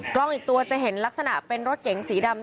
กล้องอีกตัวจะเห็นลักษณะเป็นรถเก๋งสีดำ